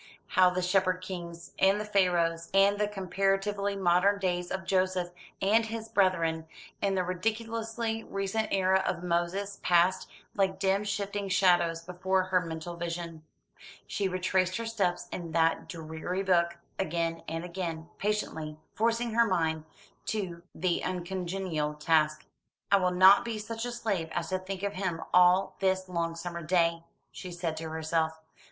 How the Shepherd Kings, and the Pharaohs, and the comparatively modern days of Joseph and his brethren, and the ridiculously recent era of Moses, passed, like dim shifting shadows, before her mental vision. She retraced her steps in that dreary book, again and again, patiently, forcing her mind to the uncongenial task. "I will not be such a slave as to think of him all this long summer day," she said to herself.